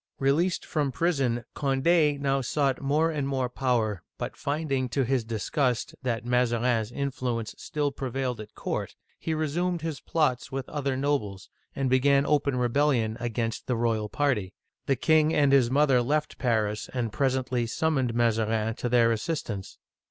Released from prison, Cond6 now sought more and more power, but finding, to his disgust, that Mazarin's influence still prevailed at court, he resumed his plots with other nobles, and began open rebellion against the royal party. The king and his mother left Paris, and presently sum moned Mazarin to their assistance.